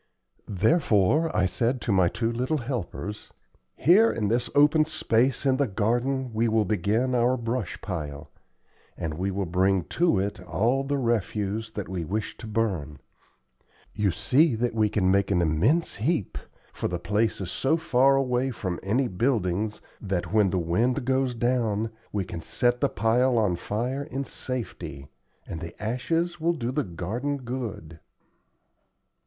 Therefore I said to my two little helpers: "Here in this open space in the garden we will begin our brush pile, and we will bring to it all the refuse that we wish to burn. You see that we can make an immense heap, for the place is so far away from any buildings that, when the wind goes down, we can set the pile on fire in safety, and the ashes will do the garden good."